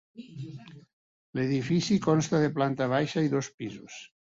L'edifici consta de planta baixa i dos pisos.